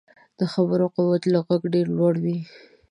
د خبرو قوت له غږ ډېر لوړ وي